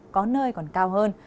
có nơi còn cao hơn